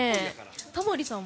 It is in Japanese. タモリさんは？